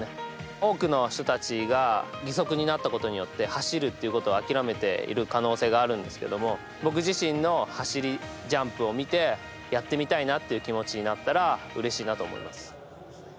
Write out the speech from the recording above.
多くの人たちが義足になったことによって走るっていうことをあきらめている可能性があるんですけども僕自信の走り、ジャンプを見てやってみたいなっていう気持ちになったらうれしいなと思います。